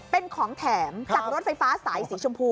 เป็นของแถมจากรถไฟฟ้าสายสีชมพู